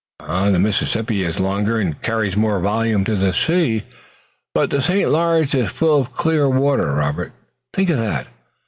The Mississippi I suppose is longer, and carries more volume to the sea, but the St. Lawrence is full of clear water, Robert, think of that!